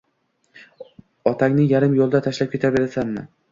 Otangni yarim yoʻlda tashlab ketaverasanmi?